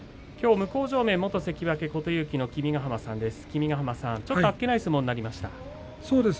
向正面、元関脇琴勇輝の君ヶ濱さんです。